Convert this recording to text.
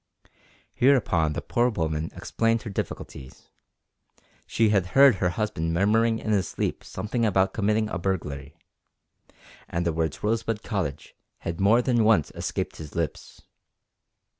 Hereupon the poor woman explained her difficulties. She had heard her husband murmuring in his sleep something about committing a burglary, and the words Rosebud Cottage had more than once escaped his lips.